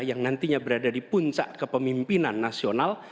yang nantinya berada di puncak kepemimpinan nasional